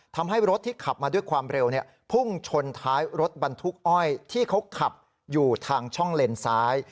ทำให้รถที่ขับมาด้วยความเร็วพุ่งชนท้ายรถบรรทุกอ้อยที่เขาขับอยู่ทางช่องเลนซ้าย